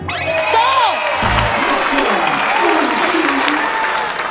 สู้